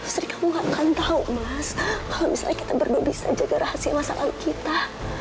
sri kamu gak akan tahu mas kalau misalnya kita berdua bisa jaga rahasia masa lalu kita